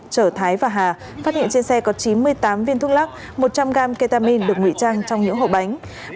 chở thái và hà phát hiện trên xe có chín mươi tám viên thuốc lắc một trăm linh gram ketamine được ngụy trang trong những hộp bánh